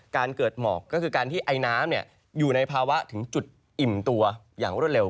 การเกิดหมอกก็คือการที่ไอน้ำอยู่ในภาวะถึงจุดอิ่มตัวอย่างรวดเร็ว